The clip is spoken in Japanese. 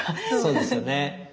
そうですよね。